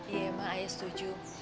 iya ma saya setuju